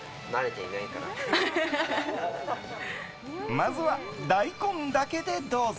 まずは大根だけで、どうぞ。